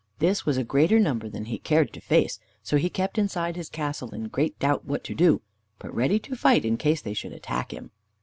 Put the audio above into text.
This was a greater number than he cared to face, so he kept inside his castle, in great doubt what to do, but ready to fight, in case they should attack him.